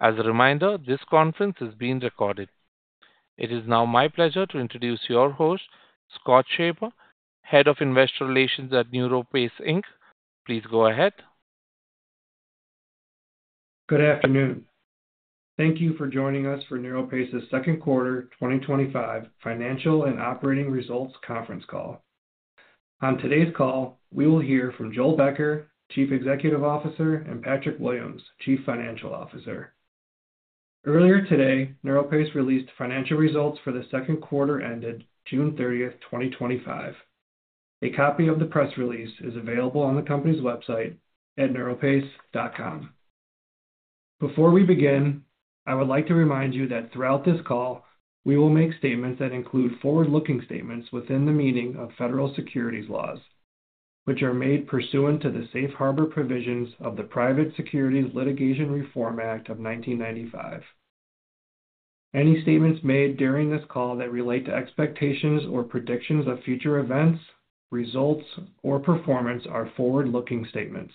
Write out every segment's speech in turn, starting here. As a reminder, this conference is being recorded. It is now my pleasure to introduce your host, Scott Schaper, Head of Investor Relations at NeuroPace Inc. Please go ahead. Good afternoon. Thank you for joining us for NeuroPace's Second Quarter 2025 Financial and Operating Results Conference call. On today's call, we will hear from Joel Becker, Chief Executive Officer, and Patrick Williams, Chief Financial Officer. Earlier today, NeuroPace released financial results for the second quarter ended June 30, 2025. A copy of the press release is available on the company's website at neuropace.com. Before we begin, I would like to remind you that throughout this call, we will make statements that include forward-looking statements within the meaning of federal securities laws, which are made pursuant to the Safe Harbor provisions of the Private Securities Litigation Reform Act of 1995. Any statements made during this call that relate to expectations or predictions of future events, results, or performance are forward-looking statements.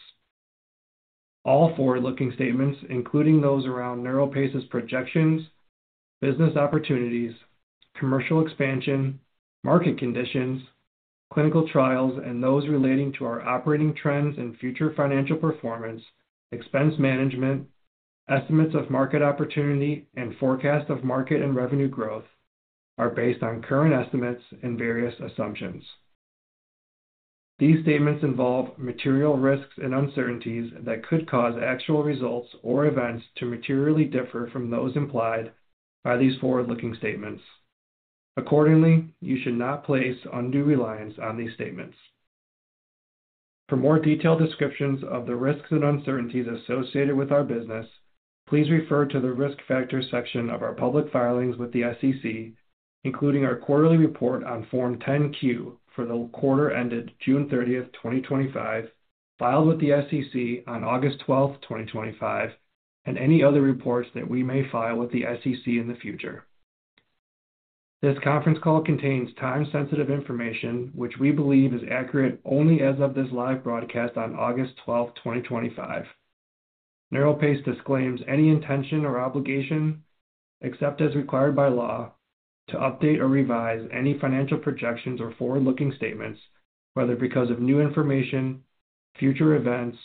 All forward-looking statements, including those around NeuroPace's projections, business opportunities, commercial expansion, market conditions, clinical trials, and those relating to our operating trends and future financial performance, expense management, estimates of market opportunity, and forecast of market and revenue growth, are based on current estimates and various assumptions. These statements involve material risks and uncertainties that could cause actual results or events to materially differ from those implied by these forward-looking statements. Accordingly, you should not place undue reliance on these statements. For more detailed descriptions of the risks and uncertainties associated with our business, please refer to the risk factors section of our public filings with the SEC, including our quarterly report on Form 10-Q for the quarter ended June 30, 2025, filed with the SEC on August 12, 2025, and any other reports that we may file with the SEC in the future. This conference call contains time-sensitive information, which we believe is accurate only as of this live broadcast on August 12, 2025. NeuroPace disclaims any intention or obligation, except as required by law, to update or revise any financial projections or forward-looking statements, whether because of new information, future events,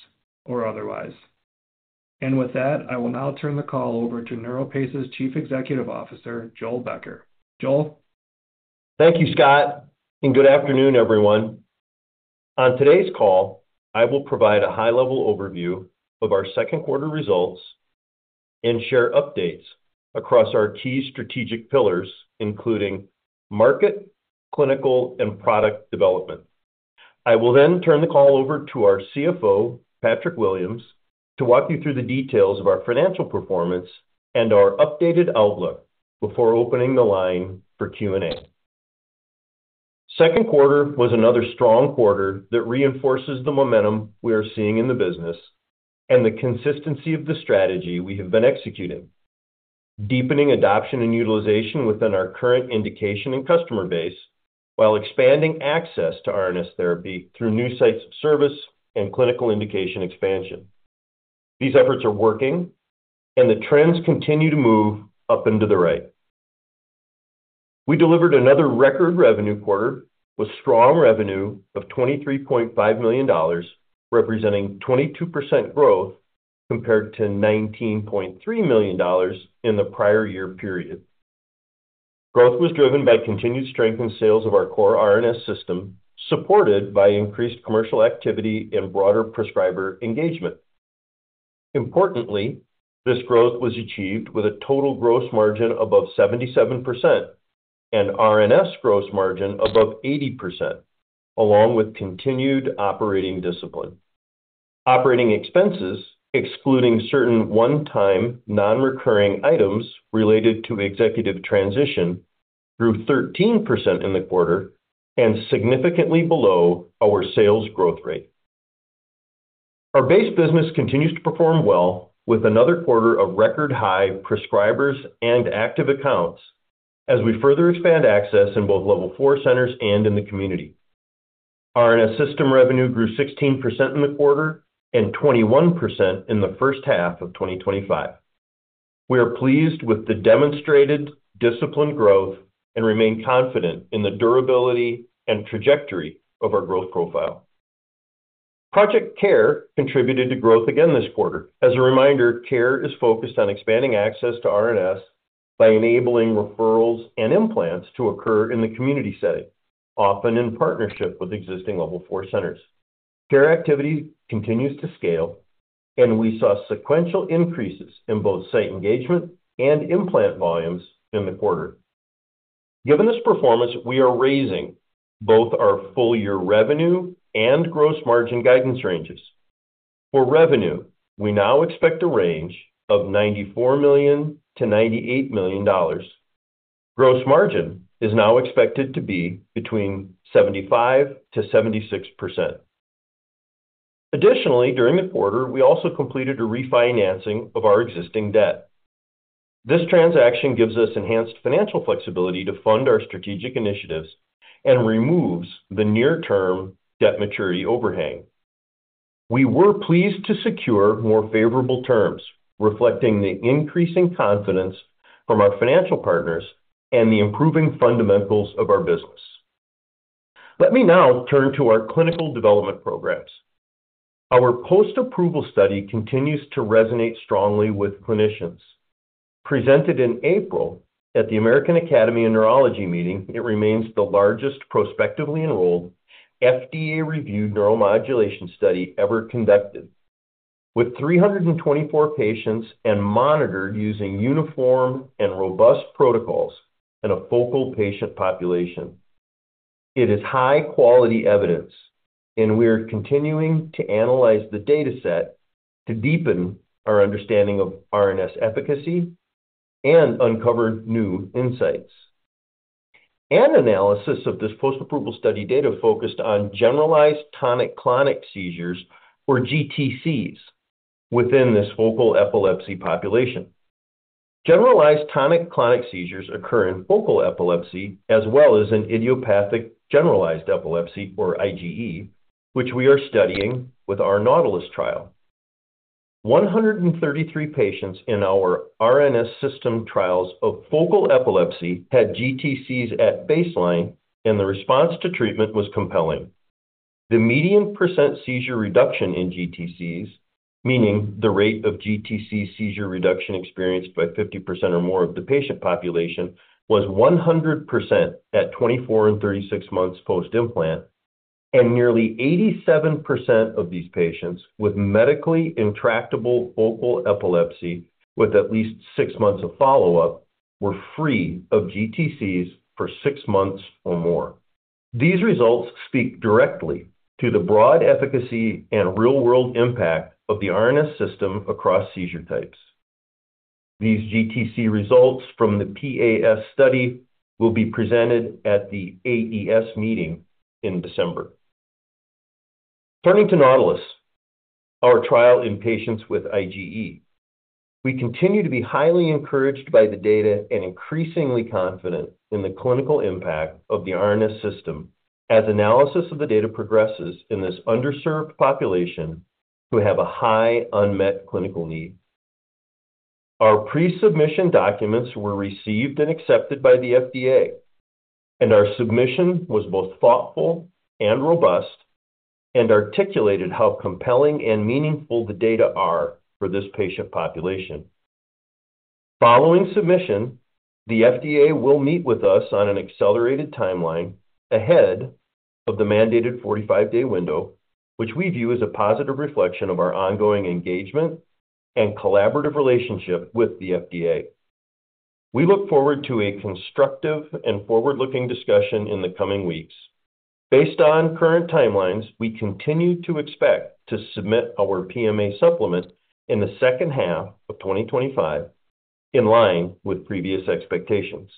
or otherwise. With that, I will now turn the call over to NeuroPace's Chief Executive Officer, Joel Becker. Joel? Thank you, Scott, and good afternoon, everyone. On today's call, I will provide a high-level overview of our second quarter results and share updates across our key strategic pillars, including market, clinical, and product development. I will then turn the call over to our CFO, Patrick Williams, to walk you through the details of our financial performance and our updated outlook before opening the line for Q&A. The second quarter was another strong quarter that reinforces the momentum we are seeing in the business and the consistency of the strategy we have been executing, deepening adoption and utilization within our current indication and customer base, while expanding access to RNS therapy through new sites of service and clinical indication expansion. These efforts are working, and the trends continue to move up and to the right. We delivered another record revenue quarter with strong revenue of $23.5 million, representing 22% growth compared to $19.3 million in the prior year period. Growth was driven by continued strength in sales of our core RNS System, supported by increased commercial activity and broader prescriber engagement. Importantly, this growth was achieved with a total gross margin above 77% and RNS gross margin above 80%, along with continued operating discipline. Operating expenses, excluding certain one-time non-recurring items related to executive transition, grew 13% in the quarter and significantly below our sales growth rate. Our base business continues to perform well, with another quarter of record high prescribers and active accounts as we further expand access in both level four centers and in the community. RNS System revenue grew 16% in the quarter and 21% in the first half of 2025. We are pleased with the demonstrated discipline growth and remain confident in the durability and trajectory of our growth profile. Project CARE contributed to growth again this quarter. As a reminder, CARE is focused on expanding access to RNS by enabling referrals and implants to occur in the community setting, often in partnership with existing level four centers. CARE activity continues to scale, and we saw sequential increases in both site engagement and implant volumes in the quarter. Given this performance, we are raising both our full-year revenue and gross margin guidance ranges. For revenue, we now expect a range of $94 million-$98 million. Gross margin is now expected to be between 75%-76%. Additionally, during the quarter, we also completed a refinancing of our existing debt. This transaction gives us enhanced financial flexibility to fund our strategic initiatives and removes the near-term debt maturity overhang. We were pleased to secure more favorable terms, reflecting the increasing confidence from our financial partners and the improving fundamentals of our business. Let me now turn to our clinical development programs. Our post-approval study continues to resonate strongly with clinicians. Presented in April at the American Academy of Neurology meeting, it remains the largest prospectively enrolled FDA-reviewed neuromodulation study ever conducted, with 324 patients monitored using uniform and robust protocols and a focal patient population. It is high-quality evidence, and we are continuing to analyze the dataset to deepen our understanding of RNS efficacy and uncover new insights. An analysis of this post-approval study data focused on generalized tonic-clonic seizures, or GTCs, within this focal epilepsy population. Generalized tonic-clonic seizures occur in focal epilepsy as well as in idiopathic generalized epilepsy, or IGE, which we are studying with our NAUTILUS trial. 133 patients in our RNS System trials of focal epilepsy had GTCs at baseline, and the response to treatment was compelling. The median percent seizure reduction in GTCs, meaning the rate of GTC seizure reduction experienced by 50% or more of the patient population, was 100% at 24 and 36 months post-implant, and nearly 87% of these patients with medically intractable focal epilepsy with at least six months of follow-up were free of GTCs for six months or more. These results speak directly to the broad efficacy and real-world impact of the RNS System across seizure types. These GTC results from the PAS study will be presented at the AES meeting in December. Turning to NAUTILUS, our trial in patients with IGE, we continue to be highly encouraged by the data and increasingly confident in the clinical impact of the RNS System as analysis of the data progresses in this underserved population who have a high unmet clinical need. Our pre-submission documents were received and accepted by the FDA, and our submission was both thoughtful and robust and articulated how compelling and meaningful the data are for this patient population. Following submission, the FDA will meet with us on an accelerated timeline ahead of the mandated 45-day window, which we view as a positive reflection of our ongoing engagement and collaborative relationship with the FDA. We look forward to a constructive and forward-looking discussion in the coming weeks. Based on current timelines, we continue to expect to submit our PMA supplement in the second half of 2025, in line with previous expectations.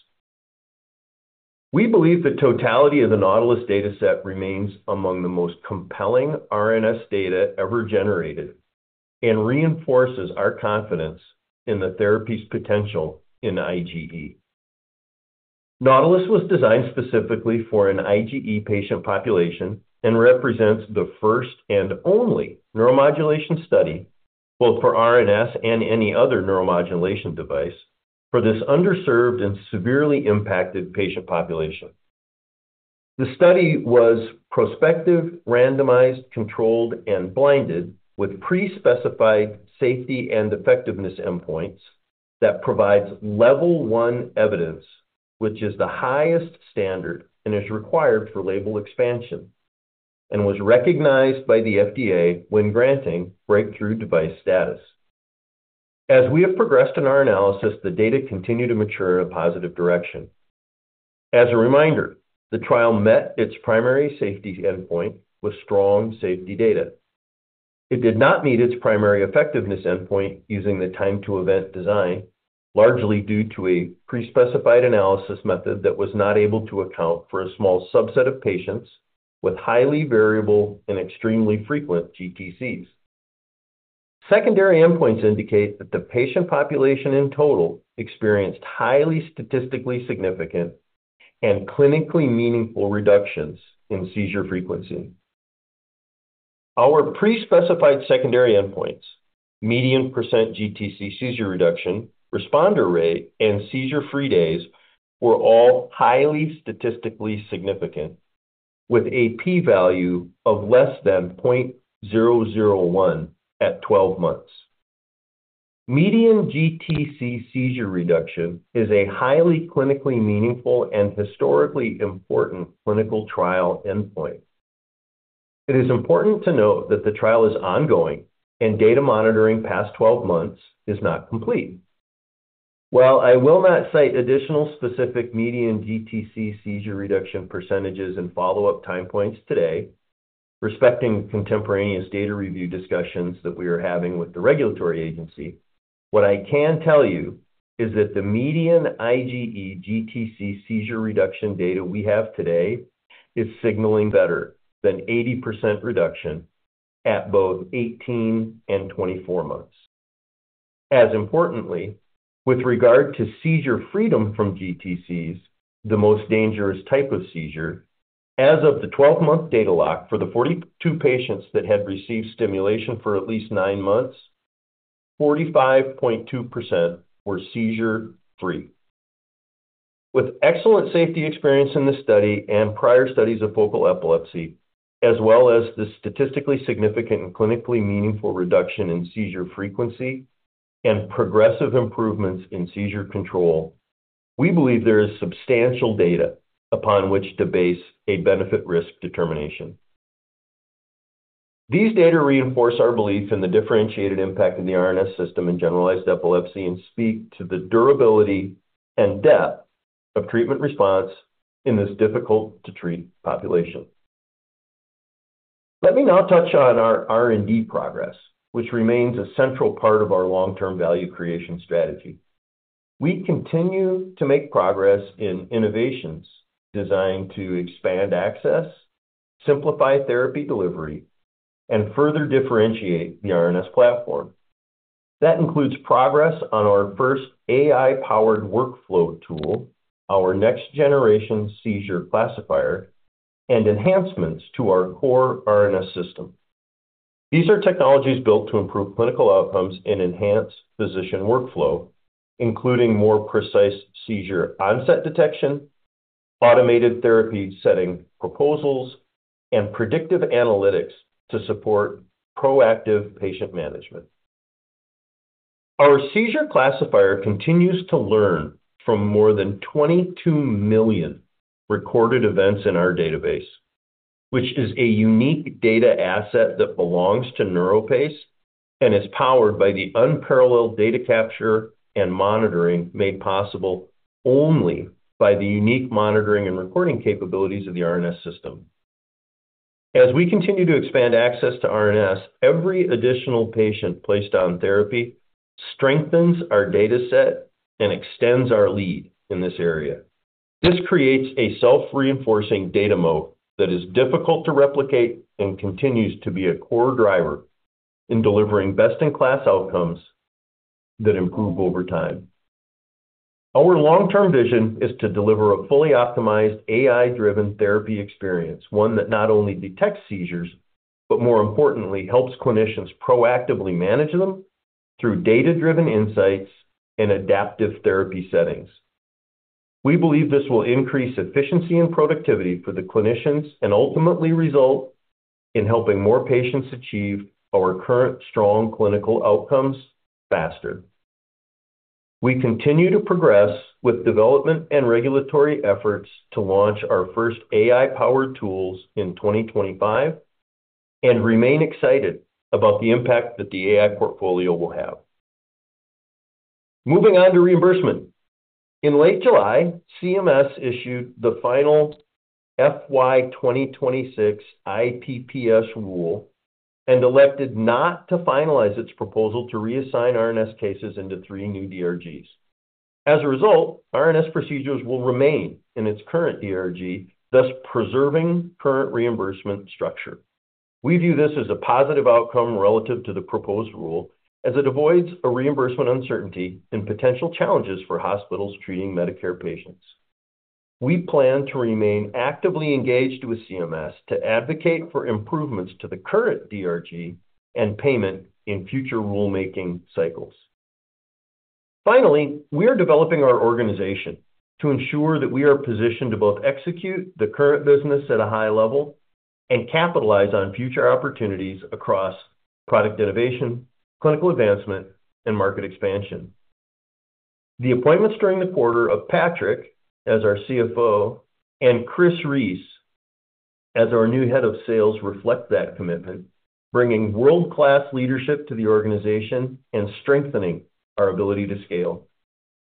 We believe the totality of the NAUTILUS dataset remains among the most compelling RNS data ever generated and reinforces our confidence in the therapy's potential in IGE. NAUTILUS was designed specifically for an IGE patient population and represents the first and only neuromodulation study, both for RNS and any other neuromodulation device, for this underserved and severely impacted patient population. The study was prospective, randomized, controlled, and blinded with pre-specified safety and effectiveness endpoints that provide level one evidence, which is the highest standard and is required for label expansion and was recognized by the FDA when granting breakthrough device status. As we have progressed in our analysis, the data continue to mature in a positive direction. As a reminder, the trial met its primary safety endpoint with strong safety data. It did not meet its primary effectiveness endpoint using the time-to-event design, largely due to a pre-specified analysis method that was not able to account for a small subset of patients with highly variable and extremely frequent GTCs. Secondary endpoints indicate that the patient population in total experienced highly statistically significant and clinically meaningful reductions in seizure frequency. Our pre-specified secondary endpoints, median % GTC seizure reduction, responder rate, and seizure-free days were all highly statistically significant, with a p-value of less than 0.001 at 12 months. Median GTC seizure reduction is a highly clinically meaningful and historically important clinical trial endpoint. It is important to note that the trial is ongoing and data monitoring past 12 months is not complete. While I will not cite additional specific median GTC seizure reduction percentages and follow-up time points today, respecting contemporaneous data review discussions that we are having with the regulatory agency, what I can tell you is that the median IGE GTC seizure reduction data we have today is signaling better than 80% reduction at both 18 and 24 months. As importantly, with regard to seizure freedom from GTCs, the most dangerous type of seizure, as of the 12-month data lock for the 42 patients that had received stimulation for at least nine months, 45.2% were seizure-free. With excellent safety experience in this study and prior studies of focal epilepsy, as well as the statistically significant and clinically meaningful reduction in seizure frequency and progressive improvements in seizure control, we believe there is substantial data upon which to base a benefit-risk determination. These data reinforce our belief in the differentiated impact of the RNS System in generalized epilepsy and speak to the durability and depth of treatment response in this difficult-to-treat population. Let me now touch on our R&D progress, which remains a central part of our long-term value creation strategy. We continue to make progress in innovations designed to expand access, simplify therapy delivery, and further differentiate the RNS platform. That includes progress on our first AI-powered workflow tool, our next-generation seizure classifier, and enhancements to our core RNS System. These are technologies built to improve clinical outcomes and enhance physician workflow, including more precise seizure onset detection, automated therapy setting proposals, and predictive analytics to support proactive patient management. Our seizure classifier continues to learn from more than 22 million recorded events in our database, which is a unique data asset that belongs to NeuroPace and is powered by the unparalleled data capture and monitoring made possible only by the unique monitoring and recording capabilities of the RNS System. As we continue to expand access to RNS, every additional patient placed on therapy strengthens our dataset and extends our lead in this area. This creates a self-reinforcing data moat that is difficult to replicate and continues to be a core driver in delivering best-in-class outcomes that improve over time. Our long-term vision is to deliver a fully optimized AI-driven therapy experience, one that not only detects seizures but, more importantly, helps clinicians proactively manage them through data-driven insights and adaptive therapy settings. We believe this will increase efficiency and productivity for the clinicians and ultimately result in helping more patients achieve our current strong clinical outcomes faster. We continue to progress with development and regulatory efforts to launch our first AI-powered tools in 2025 and remain excited about the impact that the AI portfolio will have. Moving on to reimbursement. In late July, CMS issued the final FY2026 IPPS rule and elected not to finalize its proposal to reassign RNS cases into three new DRGs. As a result, RNS procedures will remain in its current DRG, thus preserving current reimbursement structure. We view this as a positive outcome relative to the proposed rule, as it avoids a reimbursement uncertainty and potential challenges for hospitals treating Medicare patients. We plan to remain actively engaged with CMS to advocate for improvements to the current DRG and payment in future rulemaking cycles. Finally, we are developing our organization to ensure that we are positioned to both execute the current business at a high level and capitalize on future opportunities across product innovation, clinical advancement, and market expansion. The appointments during the quarter of Patrick as our CFO and Chris Reese as our new Head of Sales reflect that commitment, bringing world-class leadership to the organization and strengthening our ability to scale.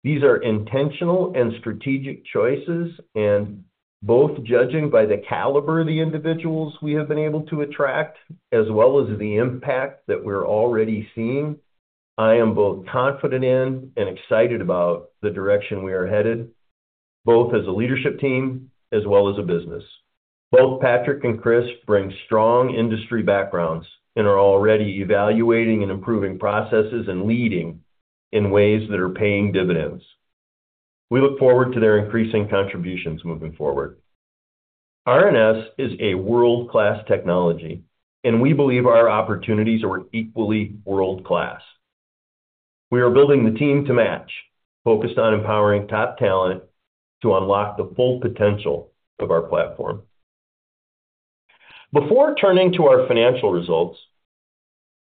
These are intentional and strategic choices, and both judging by the caliber of the individuals we have been able to attract, as well as the impact that we're already seeing, I am both confident in and excited about the direction we are headed, both as a leadership team as well as a business. Both Patrick and Chris bring strong industry backgrounds and are already evaluating and improving processes and leading in ways that are paying dividends. We look forward to their increasing contributions moving forward. RNS is a world-class technology, and we believe our opportunities are equally world-class. We are building the team to match, focused on empowering top talent to unlock the full potential of our platform. Before turning to our financial results,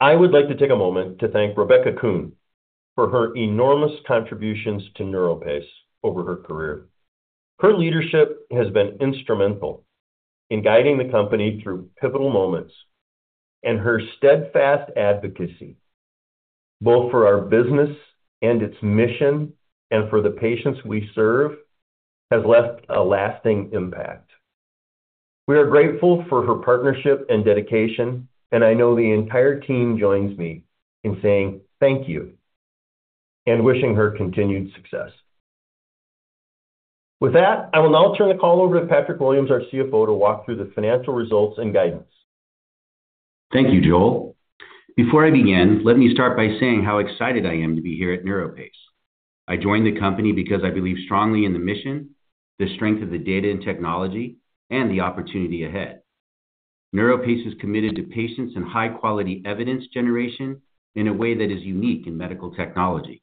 I would like to take a moment to thank Rebecca Kuhn for her enormous contributions to NeuroPace over her career. Her leadership has been instrumental in guiding the company through pivotal moments, and her steadfast advocacy, both for our business and its mission and for the patients we serve, has left a lasting impact. We are grateful for her partnership and dedication, and I know the entire team joins me in saying thank you and wishing her continued success. With that, I will now turn the call over to Patrick Williams, our CFO, to walk through the financial results and guidance. Thank you, Joel. Before I begin, let me start by saying how excited I am to be here at NeuroPace. I joined the company because I believe strongly in the mission, the strength of the data and technology, and the opportunity ahead. NeuroPace is committed to patients and high-quality evidence generation in a way that is unique in medical technology.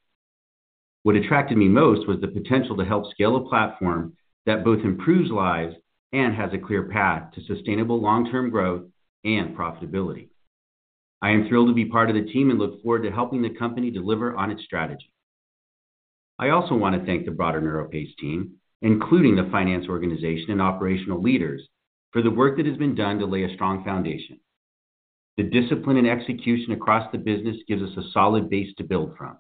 What attracted me most was the potential to help scale a platform that both improves lives and has a clear path to sustainable long-term growth and profitability. I am thrilled to be part of the team and look forward to helping the company deliver on its strategy. I also want to thank the broader NeuroPace team, including the Finance organization and operational leaders, for the work that has been done to lay a strong foundation. The discipline and execution across the business give us a solid base to build from,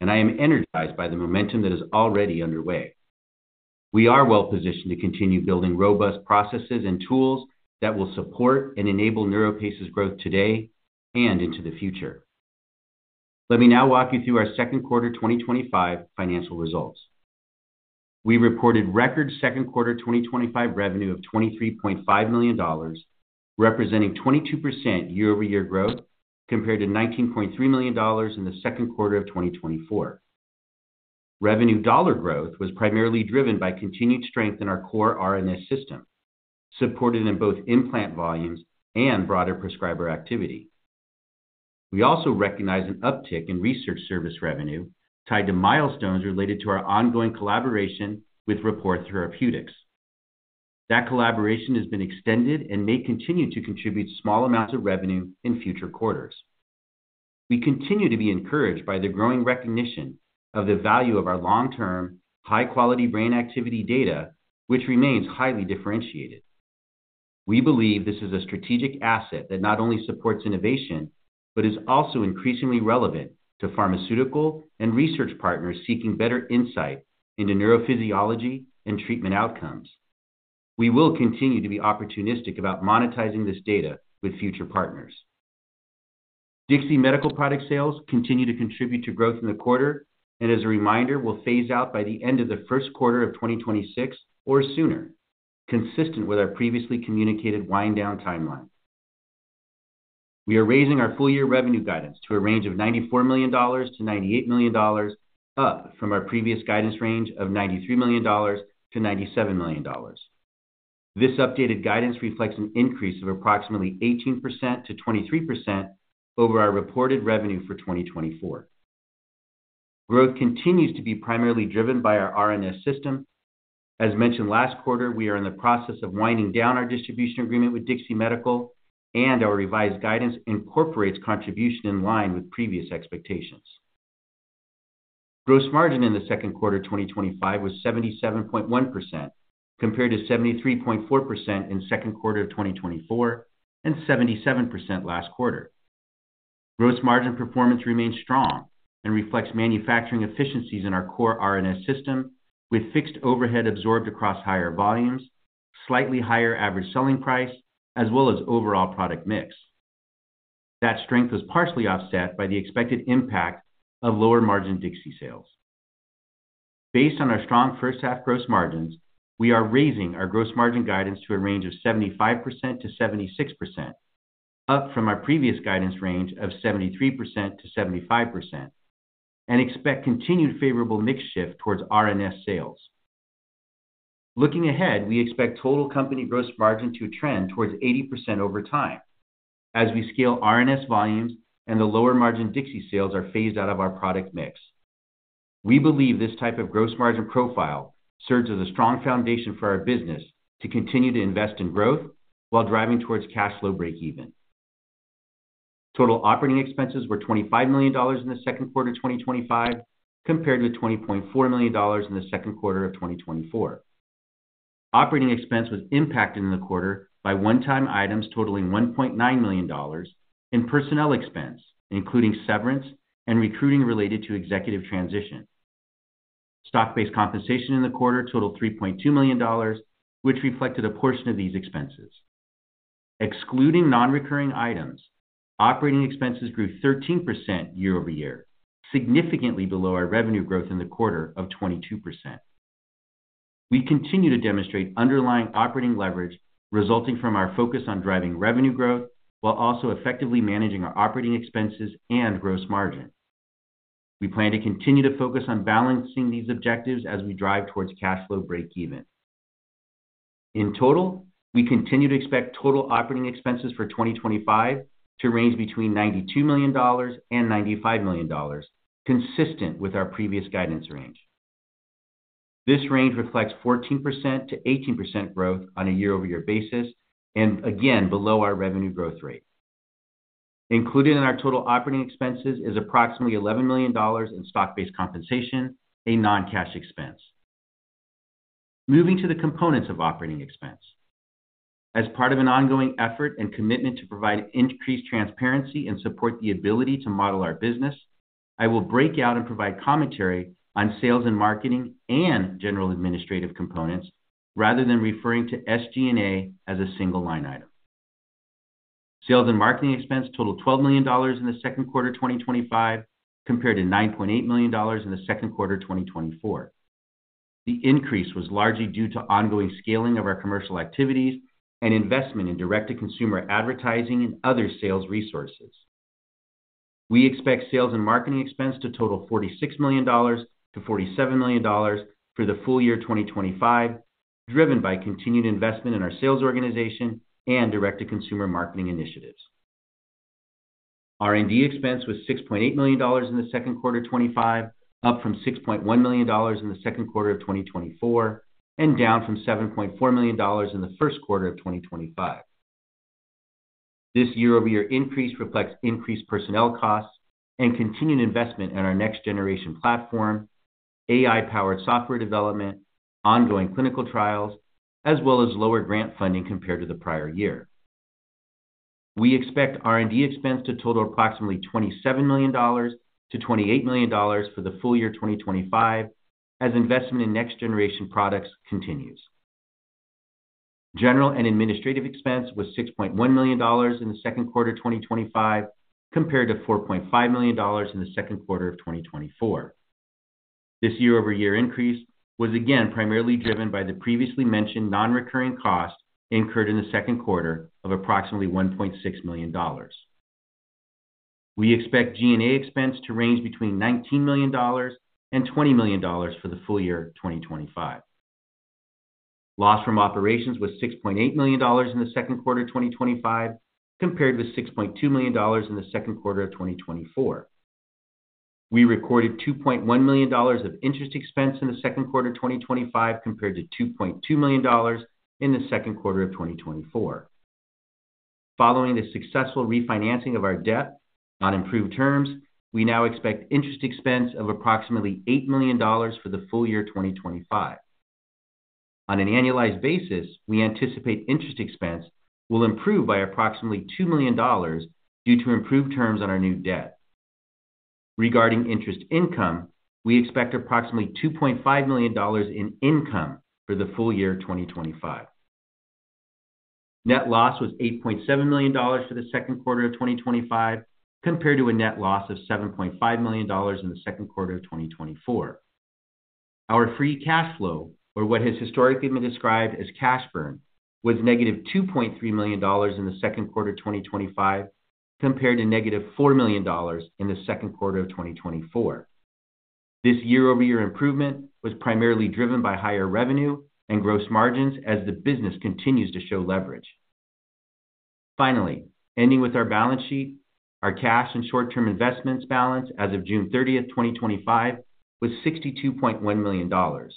and I am energized by the momentum that is already underway. We are well-positioned to continue building robust processes and tools that will support and enable NeuroPace's growth today and into the future. Let me now walk you through our Second Quarter 2025 Financial Results. We reported record second quarter 2025 revenue of $23.5 million, representing 22% year-over-year growth compared to $19.3 million in the second quarter of 2024. Revenue dollar growth was primarily driven by continued strength in our core RNS System, supported in both implant volumes and broader prescriber activity. We also recognize an uptick in research service revenue tied to milestones related to our ongoing collaboration with Rapport Therapeutics. That collaboration has been extended and may continue to contribute small amounts of revenue in future quarters. We continue to be encouraged by the growing recognition of the value of our long-term, high-quality brain activity data, which remains highly differentiated. We believe this is a strategic asset that not only supports innovation but is also increasingly relevant to pharmaceutical and research partners seeking better insight into neurophysiology and treatment outcomes. We will continue to be opportunistic about monetizing this data with future partners. Dixi Medical product sales continue to contribute to growth in the quarter, and as a reminder, will phase out by the end of the first quarter of 2026 or sooner, consistent with our previously communicated wind-down timeline. We are raising our full-year revenue guidance to a range of $94 million-$98 million, up from our previous guidance range of $93 million-$97 million. This updated guidance reflects an increase of approximately 18%-23% over our reported revenue for 2024. Growth continues to be primarily driven by our RNS System. As mentioned last quarter, we are in the process of winding down our distribution agreement with Dixi Medical, and our revised guidance incorporates contribution in line with previous expectations. Gross margin in the second quarter 2025 was 77.1% compared to 73.4% in the second quarter of 2024 and 77% last quarter. Gross margin performance remains strong and reflects manufacturing efficiencies in our core RNS System, with fixed overhead absorbed across higher volumes, slightly higher average selling price, as well as overall product mix. That strength was partially offset by the expected impact of lower margin Dixi Medical sales. Based on our strong first half gross margins, we are raising our gross margin guidance to a range of 75%-76%, up from our previous guidance range of 73%-75%, and expect continued favorable mix shift towards RNS sales. Looking ahead, we expect total company gross margin to trend towards 80% over time as we scale RNS volumes and the lower margin Dixi sales are phased out of our product mix. We believe this type of gross margin profile serves as a strong foundation for our business to continue to invest in growth while driving towards cash flow break-even. Total operating expenses were $25 million in the second quarter of 2025, compared with $20.4 million in the second quarter of 2024. Operating expense was impacted in the quarter by one-time items totaling $1.9 million and personnel expense, including severance and recruiting related to executive transition. Stock-based compensation in the quarter totaled $3.2 million, which reflected a portion of these expenses. Excluding non-recurring items, operating expenses grew 13% year-over-year, significantly below our revenue growth in the quarter of 22%. We continue to demonstrate underlying operating leverage resulting from our focus on driving revenue growth while also effectively managing our operating expenses and gross margin. We plan to continue to focus on balancing these objectives as we drive towards cash flow break-even. In total, we continue to expect total operating expenses for 2025 to range between $92 million and $95 million, consistent with our previous guidance range. This range reflects 14%-18% growth on a year-over-year basis and, again, below our revenue growth rate. Included in our total operating expenses is approximately $11 million in stock-based compensation, a non-cash expense. Moving to the components of operating expense, as part of an ongoing effort and commitment to provide increased transparency and support the ability to model our business, I will break out and provide commentary on sales and marketing and general administrative components, rather than referring to SG&A as a single line item. Sales and marketing expense totaled $12 million in the second quarter of 2025, compared to $9.8 million in the second quarter of 2024. The increase was largely due to ongoing scaling of our commercial activities and investment in direct-to-consumer advertising and other sales resources. We expect sales and marketing expense to total $46 million-$47 million for the full year 2025, driven by continued investment in our sales organization and direct-to-consumer marketing initiatives. R&D expense was $6.8 million in the second quarter of 2025, up from $6.1 million in the second quarter of 2024, and down from $7.4 million in the first quarter of 2025. This year-over-year increase reflects increased personnel costs and continued investment in our next-generation platform, AI-powered software development, ongoing clinical trials, as well as lower grant funding compared to the prior year. We expect R&D expense to total approximately $27 million-$28 million for the full year 2025, as investment in next-generation products continues. General and administrative expense was $6.1 million in the second quarter of 2025, compared to $4.5 million in the second quarter of 2024. This year-over-year increase was again primarily driven by the previously mentioned non-recurring costs incurred in the second quarter of approximately $1.6 million. We expect G&A expense to range between $19 million and $20 million for the full year of 2025. Loss from operations was $6.8 million in the second quarter of 2025, compared with $6.2 million in the second quarter of 2024. We recorded $2.1 million of interest expense in the second quarter of 2025, compared to $2.2 million in the second quarter of 2024. Following the successful refinancing of our debt on improved terms, we now expect interest expense of approximately $8 million for the full year of 2025. On an annualized basis, we anticipate interest expense will improve by approximately $2 million due to improved terms on our new debt. Regarding interest income, we expect approximately $2.5 million in income for the full year of 2025. Net loss was $8.7 million for the second quarter of 2025, compared to a net loss of $7.5 million in the second quarter of 2024. Our free cash flow, or what has historically been described as cash burn, was -$2.3 million in the second quarter of 2025, compared to -$4 million in the second quarter of 2024. This year-over-year improvement was primarily driven by higher revenue and gross margins as the business continues to show leverage. Finally, ending with our balance sheet, our cash and short-term investments balance as of June 30, 2025, was $62.1 million.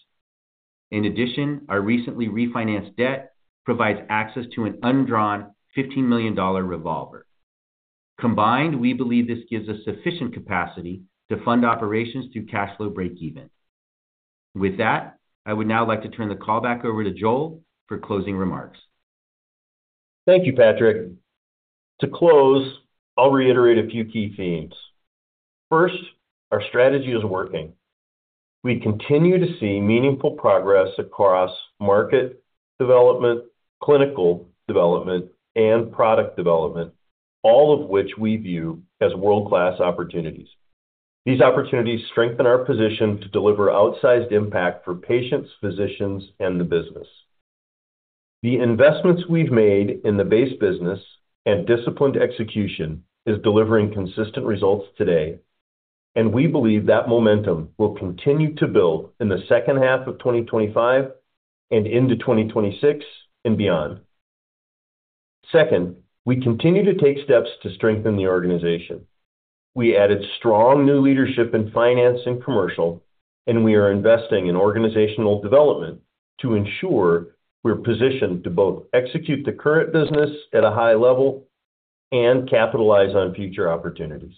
In addition, our recently refinanced debt provides access to an undrawn $15 million revolver. Combined, we believe this gives us sufficient capacity to fund operations through cash flow break-even. With that, I would now like to turn the call back over to Joel for closing remarks. Thank you, Patrick. To close, I'll reiterate a few key themes. First, our strategy is working. We continue to see meaningful progress across market development, clinical development, and product development, all of which we view as world-class opportunities. These opportunities strengthen our position to deliver outsized impact for patients, physicians, and the business. The investments we've made in the base business and disciplined execution are delivering consistent results today, and we believe that momentum will continue to build in the second half of 2025 and into 2026 and beyond. Second, we continue to take steps to strengthen the organization. We added strong new leadership in Finance and Commercial, and we are investing in organizational development to ensure we're positioned to both execute the current business at a high level and capitalize on future opportunities.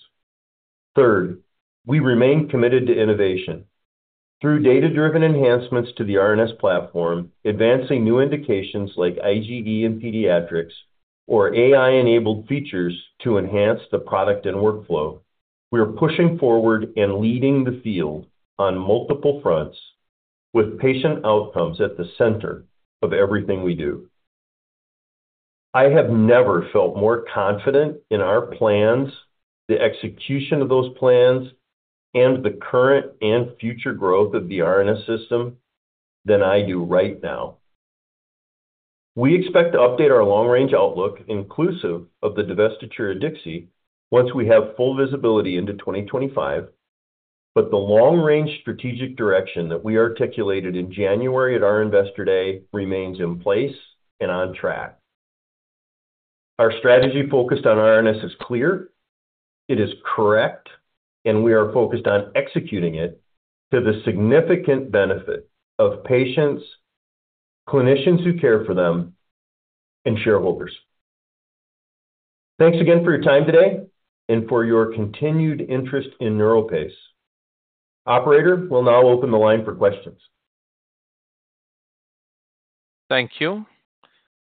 Third, we remain committed to innovation. Through data-driven enhancements to the RNS platform, advancing new indications like IGE and pediatrics or AI-enabled features to enhance the product and workflow, we are pushing forward and leading the field on multiple fronts, with patient outcomes at the center of everything we do. I have never felt more confident in our plans, the execution of those plans, and the current and future growth of the RNS System than I do right now. We expect to update our long-range outlook, inclusive of the divestiture at Dixi, once we have full visibility into 2025, but the long-range strategic direction that we articulated in January at our Investor Day remains in place and on track. Our strategy focused on RNS is clear, it is correct, and we are focused on executing it to the significant benefit of patients, clinicians who care for them, and shareholders. Thanks again for your time today and for your continued interest in NeuroPace. Operator, we'll now open the line for questions. Thank you.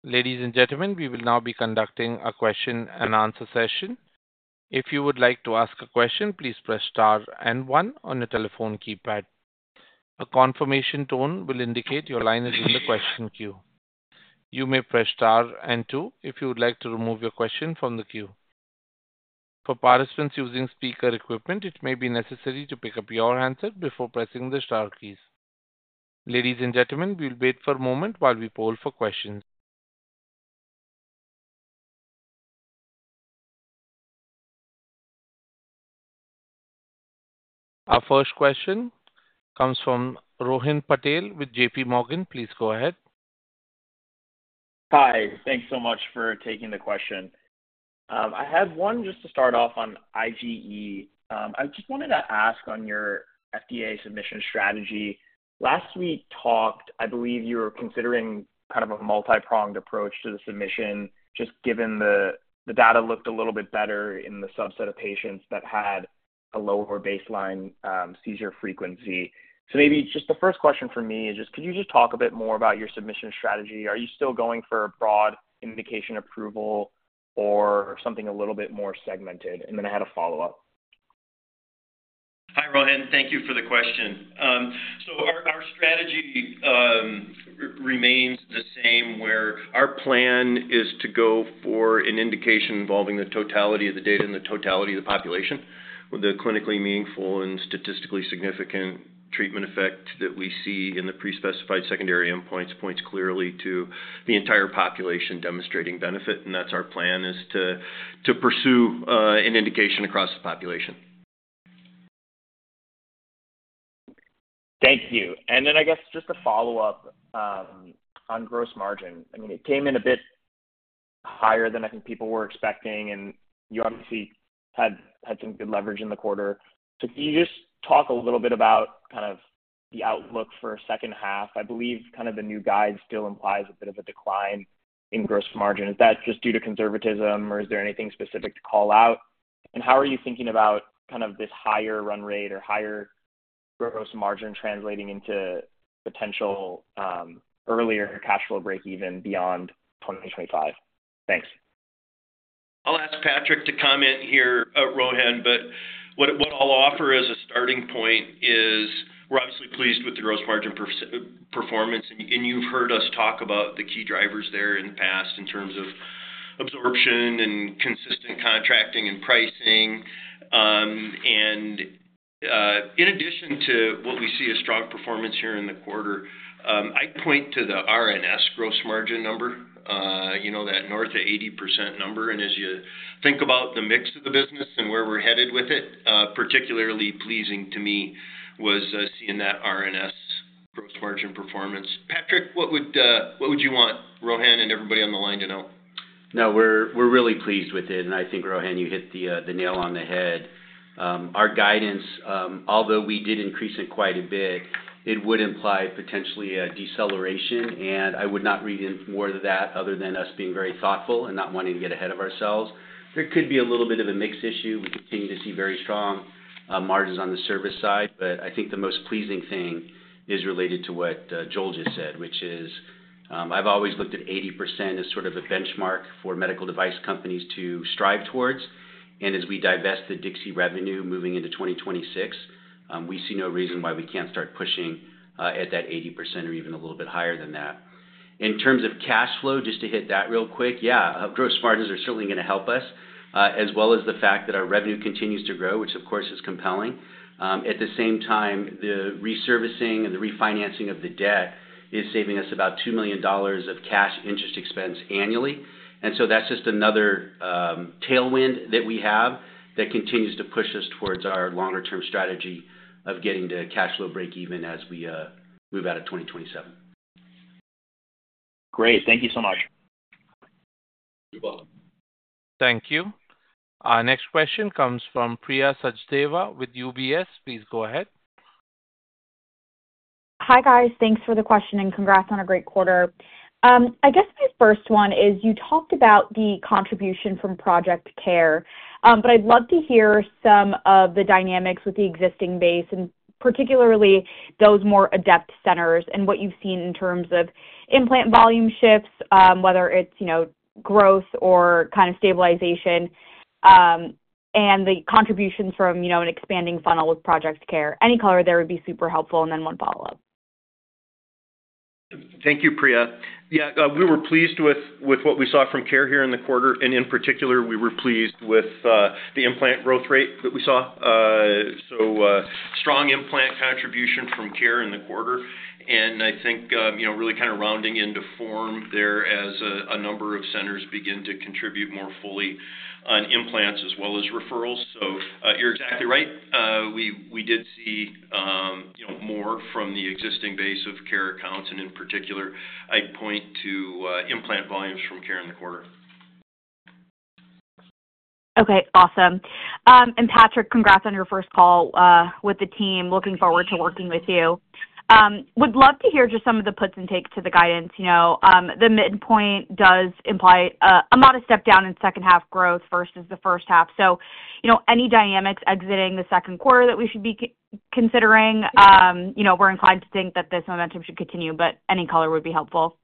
Ladies and gentlemen, we will now be conducting a question-and-answer session. If you would like to ask a question, please press star and one on the telephone keypad. A confirmation tone will indicate your line is in the question queue. You may press star and two if you would like to remove your question from the queue. For participants using speaker equipment, it may be necessary to pick up your answer before pressing the star keys. Ladies and gentlemen, we'll wait for a moment while we poll for questions. Our first question comes from Rohan Patel with JPMorgan. Please go ahead. Hi, thanks so much for taking the question. I had one just to start off on IGE. I just wanted to ask on your FDA submission strategy. Last we talked, I believe you were considering kind of a multi-pronged approach to the submission, just given the data looked a little bit better in the subset of patients that had a lower baseline seizure frequency. Maybe just the first question for me is, could you just talk a bit more about your submission strategy? Are you still going for a broad indication approval or something a little bit more segmented? I had a follow-up. Hi, Rohan. Thank you for the question. Our strategy remains the same, where our plan is to go for an indication involving the totality of the data and the totality of the population, with the clinically meaningful and statistically significant treatment effect that we see in the pre-specified secondary endpoints points clearly to the entire population demonstrating benefit. That's our plan is to pursue an indication across the population. Thank you. I guess just a follow-up on gross margin. It came in a bit higher than I think people were expecting, and you obviously had some good leverage in the quarter. Can you just talk a little bit about the outlook for the second half? I believe the new guide still implies a bit of a decline in gross margin. Is that just due to conservatism, or is there anything specific to call out? How are you thinking about this higher run rate or higher gross margin translating into potential earlier cash flow break-even beyond 2025? Thanks. I'll ask Patrick to comment here, Rohan, but what I'll offer as a starting point is we're obviously pleased with the gross margin performance, and you've heard us talk about the key drivers there in the past in terms of absorption and consistent contracting and pricing. In addition to what we see as strong performance here in the quarter, I'd point to the RNS gross margin number, you know, that north of 80% number. As you think about the mix of the business and where we're headed with it, particularly pleasing to me was seeing that RNS gross margin performance. Patrick, what would you want Rohan and everybody on the line to know? No, we're really pleased with it, and I think, Rohan, you hit the nail on the head. Our guidance, although we did increase it quite a bit, would imply potentially a deceleration, and I would not read in more to that other than us being very thoughtful and not wanting to get ahead of ourselves. There could be a little bit of a mix issue. We continue to see very strong margins on the service side, but I think the most pleasing thing is related to what Joel just said, which is I've always looked at 80% as sort of a benchmark for medical device companies to strive towards. As we divest the Dixi revenue moving into 2026, we see no reason why we can't start pushing at that 80% or even a little bit higher than that. In terms of cash flow, just to hit that real quick, gross margins are certainly going to help us, as well as the fact that our revenue continues to grow, which of course is compelling. At the same time, the reservicing and the refinancing of the debt is saving us about $2 million of cash interest expense annually. That's just another tailwind that we have that continues to push us towards our longer-term strategy of getting to cash flow break-even as we move out of 2027. Great, thank you so much. You're welcome. Thank you. Our next question comes from Priya Sachdeva with UBS. Please go ahead. Hi, guys. Thanks for the question and congrats on a great quarter. I guess my first one is you talked about the contribution from Project CARE, but I'd love to hear some of the dynamics with the existing base and particularly those more adept centers and what you've seen in terms of implant volume shifts, whether it's growth or kind of stabilization, and the contributions from an expanding funnel with Project CARE. Any color there would be super helpful, and then one follow-up. Thank you, Priya. We were pleased with what we saw from CARE here in the quarter, and in particular, we were pleased with the implant growth rate that we saw. Strong implant contribution from CARE in the quarter, and I think really kind of rounding into form there as a number of centers begin to contribute more fully on implants as well as referrals. You're exactly right. We did see more from the existing base of CARE accounts, and in particular, I'd point to implant volumes from CARE in the quarter. Okay. Awesome. Patrick, congrats on your first call with the team. Looking forward to working with you. Would love to hear just some of the puts and takes to the guidance. The midpoint does imply a modest step down in second half growth versus the first half. Any dynamics exiting the second quarter that we should be considering? We're inclined to think that this momentum should continue, but any color would be helpful.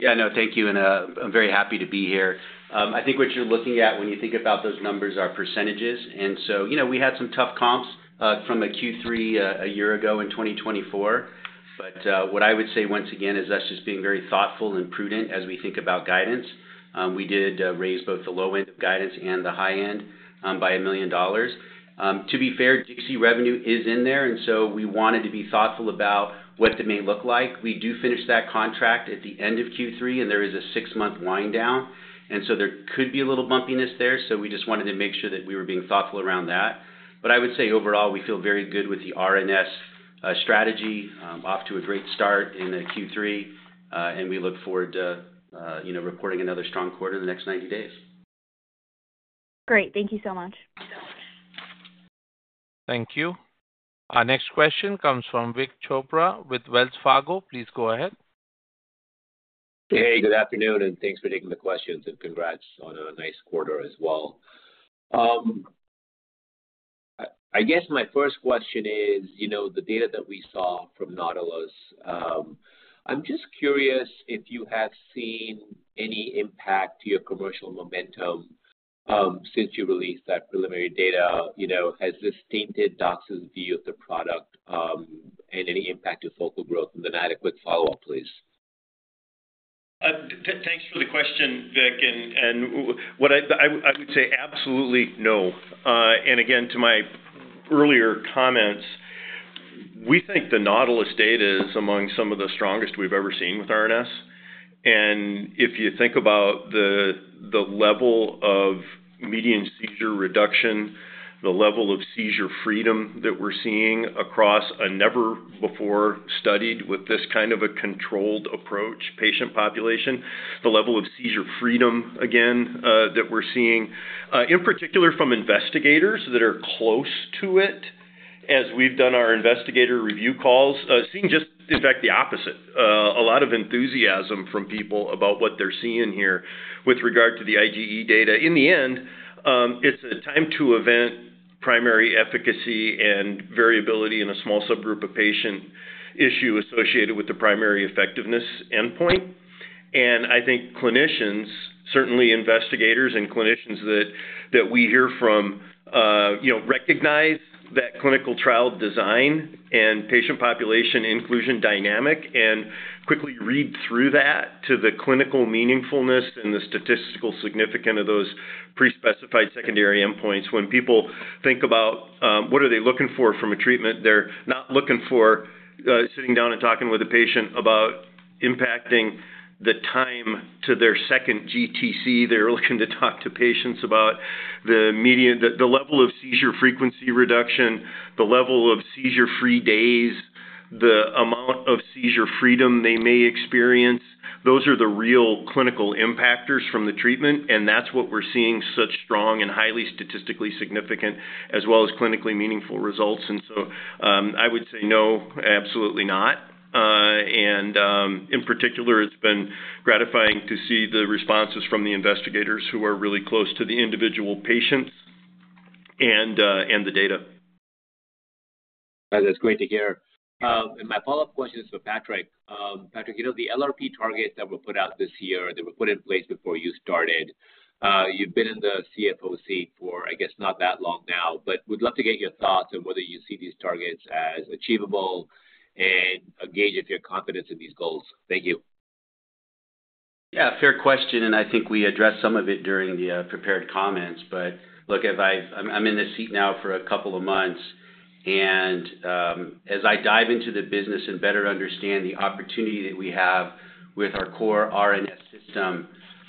Thank you, and I'm very happy to be here. I think what you're looking at when you think about those numbers are percentages. We had some tough comps from a Q3 a year ago in 2024. What I would say once again is us just being very thoughtful and prudent as we think about guidance. We did raise both the low end of guidance and the high end by $1 million. To be fair, Dixi revenue is in there, and we wanted to be thoughtful about what that may look like. We do finish that contract at the end of Q3, and there is a six-month wind-down. There could be a little bumpiness there, so we just wanted to make sure that we were being thoughtful around that. I would say overall, we feel very good with the RNS strategy, off to a great start in Q3, and we look forward to reporting another strong quarter in the next 90 days. Great. Thank you so much. Thank you. Our next question comes from Vik Chopra with Wells Fargo. Please go ahead. Hey, good afternoon, and thanks for taking the questions, and congrats on a nice quarter as well. I guess my first question is, you know, the data that we saw from the NAUTILUS trial, I'm just curious if you have seen any impact to your commercial momentum since you released that preliminary data. You know, has this tainted docs' view of the product and any impact to focal growth? I have a quick follow-up, please. Thanks for the question, Vik. Absolutely no. To my earlier comments, we think the NAUTILUS data is among some of the strongest we've ever seen with RNS. If you think about the level of median seizure reduction, the level of seizure freedom that we're seeing across a never-before-studied, with this kind of a controlled approach, patient population, the level of seizure freedom, again, that we're seeing, in particular from investigators that are close to it, as we've done our investigator review calls, seeing just, in fact, the opposite. A lot of enthusiasm from people about what they're seeing here with regard to the IGE data. In the end, it's a time-to-event primary efficacy and variability in a small subgroup of patient issue associated with the primary effectiveness endpoint. I think clinicians, certainly investigators and clinicians that we hear from, recognize that clinical trial design and patient population inclusion dynamic and quickly read through that to the clinical meaningfulness and the statistical significance of those pre-specified secondary endpoints. When people think about what are they looking for from a treatment, they're not looking for sitting down and talking with a patient about impacting the time to their second GTC. They're looking to talk to patients about the level of seizure frequency reduction, the level of seizure-free days, the amount of seizure freedom they may experience. Those are the real clinical impactors from the treatment, and that's what we're seeing such strong and highly statistically significant as well as clinically meaningful results. I would say no, absolutely not. In particular, it's been gratifying to see the responses from the investigators who are really close to the individual patients and the data. That's great to hear. My follow-up question is for Patrick. Patrick, you know the LRP targets that were put out this year that were put in place before you started. You've been in the CFO seat for, I guess, not that long now, but would love to get your thoughts on whether you see these targets as achievable and gauge if you're confident in these goals. Thank you. Yeah, fair question, and I think we addressed some of it during the prepared comments. Look, I'm in this seat now for a couple of months, and as I dive into the business and better understand the opportunity that we have with our core RNS System,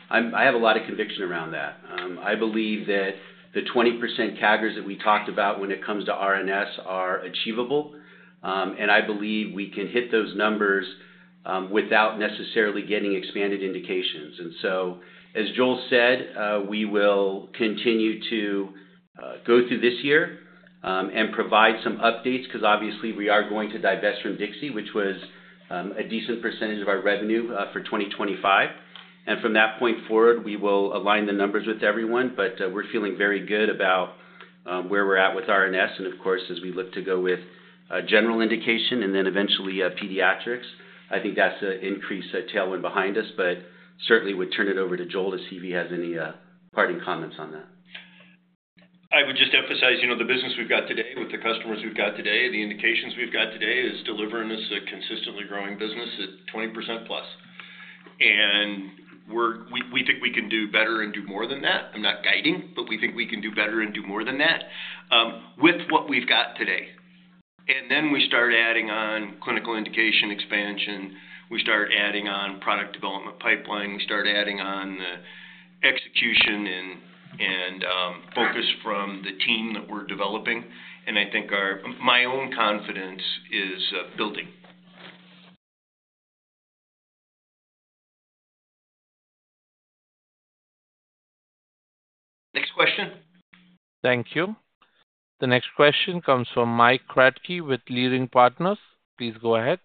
I have a lot of conviction around that. I believe that the 20% CAGRs that we talked about when it comes to RNS are achievable, and I believe we can hit those numbers without necessarily getting expanded indications. As Joel said, we will continue to go through this year and provide some updates because obviously we are going to divest from Dixi, which was a decent percentage of our revenue for 2025. From that point forward, we will align the numbers with everyone, but we're feeling very good about where we're at with RNS. Of course, as we look to go with general indication and then eventually pediatrics, I think that's an increased tailwind behind us. Certainly, we'd turn it over to Joel to see if he has any parting comments on that. I would just emphasize, you know, the business we've got today with the customers we've got today, the indications we've got today, is delivering us a consistently growing business at 20%+. We think we can do better and do more than that. I'm not guiding, but we think we can do better and do more than that with what we've got today. We start adding on clinical indication expansion, we start adding on product development pipeline, we start adding on the execution and focus from the team that we're developing, and I think my own confidence is building. Thank you. The next question comes from Mike Kratky with Leerink Partners. Please go ahead.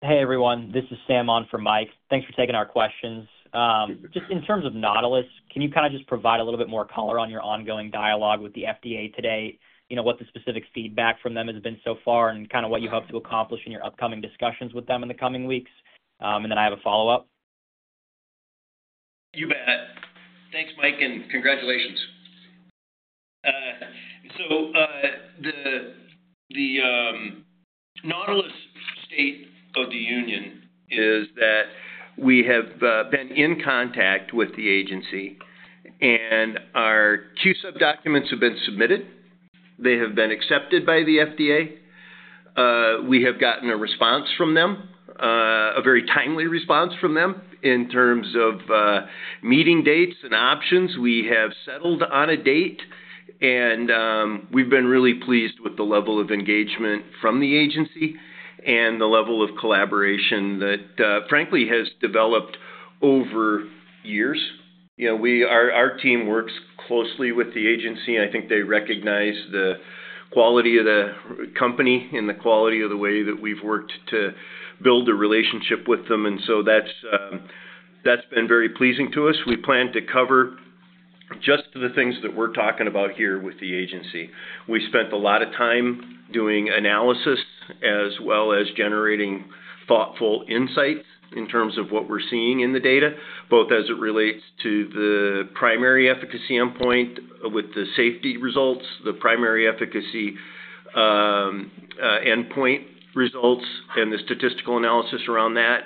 Hey, everyone. This is Sam on for Mike. Thanks for taking our questions. Just in terms of NAUTILUS, can you kind of just provide a little bit more color on your ongoing dialogue with the FDA today? You know, what the specific feedback from them has been so far and kind of what you hope to accomplish in your upcoming discussions with them in the coming weeks? I have a follow-up. You bet. Thanks, Mike, and congratulations. The NAUTILUS state of the union is that we have been in contact with the agency, and our two sub-documents have been submitted. They have been accepted by the FDA. We have gotten a response from them, a very timely response from them in terms of meeting dates and options. We have settled on a date, and we've been really pleased with the level of engagement from the agency and the level of collaboration that, frankly, has developed over years. Our team works closely with the agency, and I think they recognize the quality of the company and the quality of the way that we've worked to build a relationship with them. That's been very pleasing to us. We plan to cover just the things that we're talking about here with the agency. We spent a lot of time doing analysis as well as generating thoughtful insights in terms of what we're seeing in the data, both as it relates to the primary efficacy endpoint with the safety results, the primary efficacy endpoint results, and the statistical analysis around that.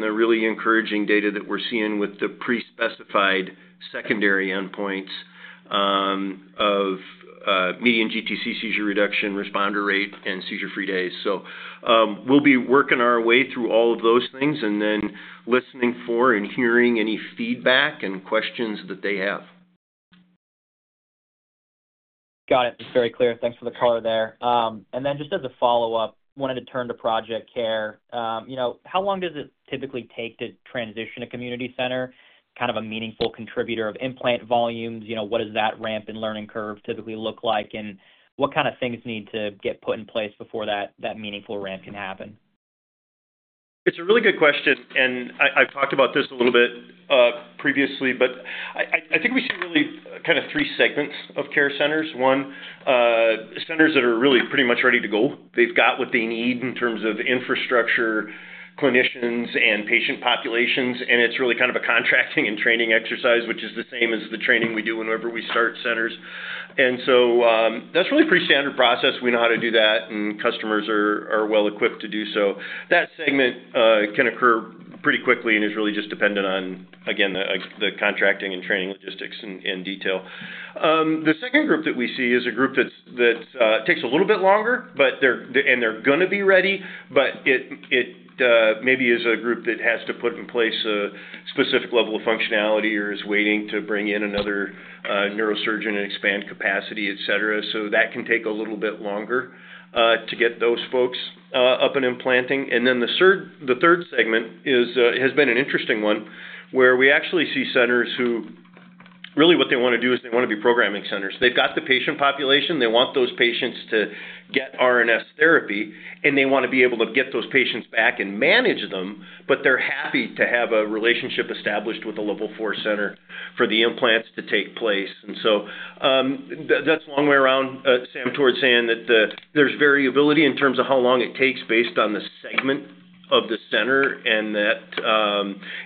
The really encouraging data that we're seeing with the pre-specified secondary endpoints of median GTC seizure reduction, responder rate, and seizure-free days. We'll be working our way through all of those things and then listening for and hearing any feedback and questions that they have. Got it. That's very clear. Thanks for the color there. Just as a follow-up, I wanted to turn to Project CARE. You know, how long does it typically take to transition a community center to kind of a meaningful contributor of implant volumes? You know, what does that ramp and learning curve typically look like, and what kind of things need to get put in place before that meaningful ramp can happen? It's a really good question, and I've talked about this a little bit previously, but I think we see really kind of three segments of care centers. One, centers that are really pretty much ready to go. They've got what they need in terms of infrastructure, clinicians, and patient populations, and it's really kind of a contracting and training exercise, which is the same as the training we do whenever we start centers. That's really a pretty standard process. We know how to do that, and customers are well-equipped to do so. That segment can occur pretty quickly and is really just dependent on, again, the contracting and training logistics and detail. The second group that we see is a group that takes a little bit longer, and they're going to be ready, but it maybe is a group that has to put in place a specific level of functionality or is waiting to bring in another neurosurgeon and expand capacity, etc. That can take a little bit longer to get those folks up and implanting. The third segment has been an interesting one where we actually see centers who really what they want to do is they want to be programming centers. They've got the patient population. They want those patients to get RNS therapy, and they want to be able to get those patients back and manage them, but they're happy to have a relationship established with a level four center for the implants to take place. That's a long way around, Sam, towards saying that there's variability in terms of how long it takes based on the segment of the center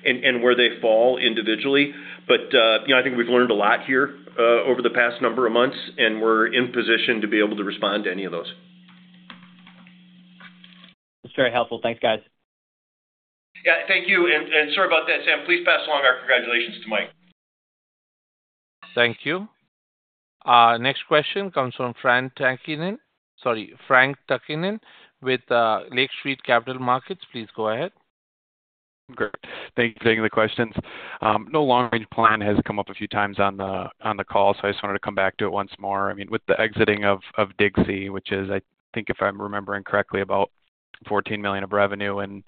and where they fall individually. I think we've learned a lot here over the past number of months, and we're in position to be able to respond to any of those. That's very helpful. Thanks, guys. Thank you. Sorry about that, Sam. Please pass along our congratulations to Mike. Thank you. Next question comes from Frank Takkinen with Lake Street Capital Markets. Please go ahead. Great. Thank you for taking the questions. The long-range plan has come up a few times on the call, so I just wanted to come back to it once more. I mean, with the exiting of Dixi, which is, I think if I'm remembering correctly, about $14 million of revenue in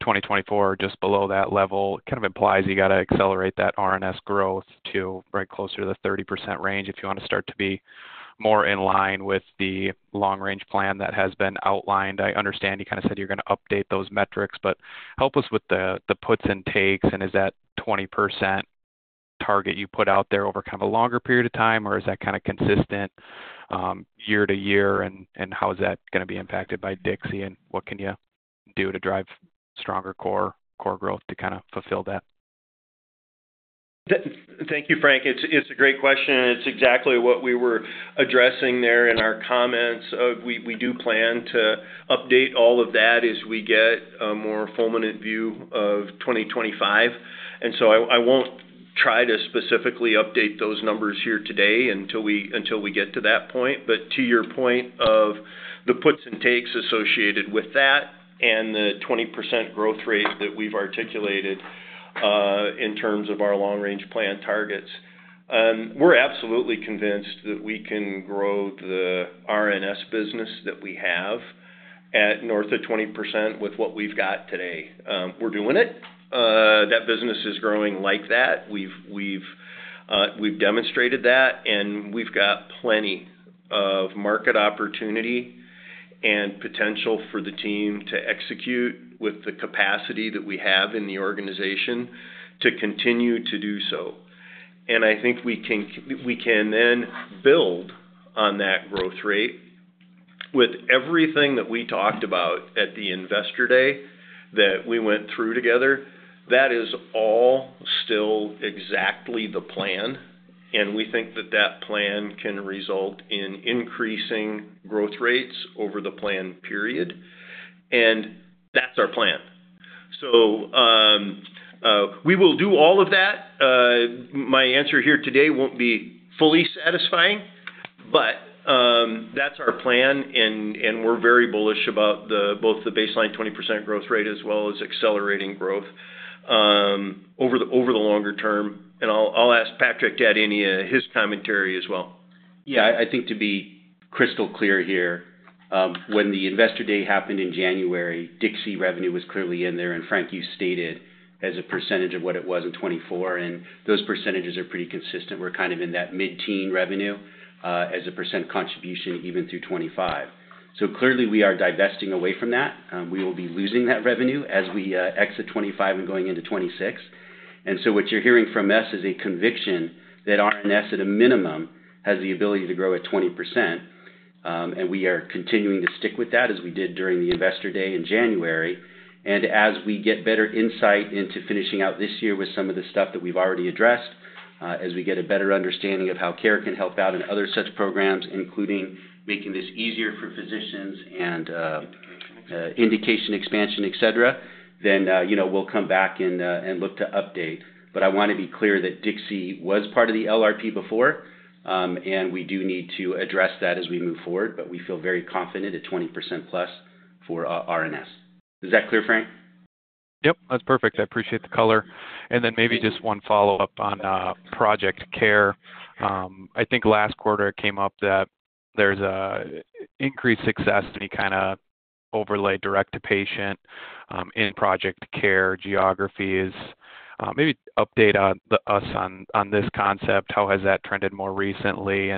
2024, just below that level, kind of implies you got to accelerate that RNS growth to right closer to the 30% range if you want to start to be more in line with the long-range plan that has been outlined. I understand you kind of said you're going to update those metrics, but help us with the puts and takes, and is that 20% target you put out there over kind of a longer period of time, or is that kind of consistent year to year, and how is that going to be impacted by Dixi, and what can you do to drive stronger core growth to kind of fulfill that? Thank you, Frank. It's a great question. It's exactly what we were addressing there in our comments. We do plan to update all of that as we get a more fulminant view of 2025. I won't try to specifically update those numbers here today until we get to that point. To your point of the puts and takes associated with that and the 20% growth rate that we've articulated in terms of our long-range plan targets, we're absolutely convinced that we can grow the RNS business that we have at north of 20% with what we've got today. We're doing it. That business is growing like that. We've demonstrated that, and we've got plenty of market opportunity and potential for the team to execute with the capacity that we have in the organization to continue to do so. I think we can then build on that growth rate with everything that we talked about at the Investor Day that we went through together. That is all still exactly the plan, and we think that that plan can result in increasing growth rates over the planned period, and that's our plan. We will do all of that. My answer here today won't be fully satisfying, but that's our plan, and we're very bullish about both the baseline 20% growth rate as well as accelerating growth over the longer term. I'll ask Patrick to add any of his commentary as well. Yeah, I think to be crystal clear here, when the Investor Day happened in January, Dixi revenue was clearly in there, and Frank, you stated as a percentage of what it was in 2024, and those percentages are pretty consistent. We're kind of in that mid-teen revenue as a percent contribution even through 2025. Clearly, we are divesting away from that. We will be losing that revenue as we exit 2025 and going into 2026. What you're hearing from us is a conviction that RNS at a minimum has the ability to grow at 20%, and we are continuing to stick with that as we did during the Investor Day in January. As we get better insight into finishing out this year with some of the stuff that we've already addressed, as we get a better understanding of how CARE can help out in other such programs, including making this easier for physicians and indication expansion, etc., we'll come back and look to update. I want to be clear that Dixi was part of the LRP before, and we do need to address that as we move forward, but we feel very confident at 20% plus for RNS. Is that clear, Frank? Yep, that's perfect. I appreciate the color. Maybe just one follow-up on Project CARE. I think last quarter it came up that there's an increased success to kind of overlay direct-to-patient in Project CARE geographies. Maybe update us on this concept. How has that trended more recently?